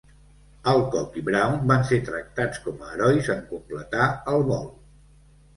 Alcock i Brown van ser tractats com a herois en completar el vol.